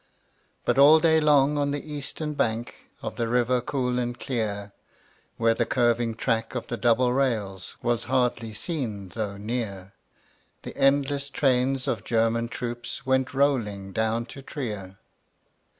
But all day long on the eastern bank Of the river cool and clear, Where the curving track of the double rails Was hardly seen though near, The endless trains of German troops Went rolling down to Trier.